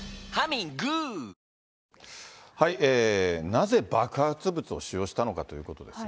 なぜ爆発物を使用したのかということですが。